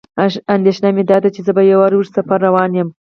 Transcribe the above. اندېښنه مې داده چې زه په یو اوږد سفر روان یم.